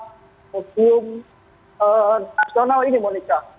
belakang museum nasional ini monica